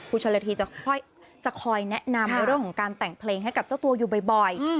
คุณชนละทีจะค่อยจะคอยแนะนำในเรื่องของการแต่งเพลงให้กับเจ้าตัวอยู่บ่อย